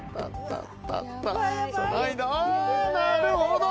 あなるほど。